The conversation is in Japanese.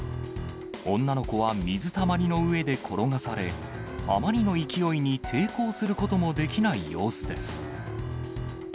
女の子は水たまりの上で転がされ、あまりの勢いに抵抗することもできない様子です。